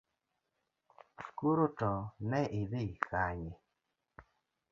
Koro to neidhi Kanye?